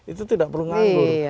itu tidak perlu nganggur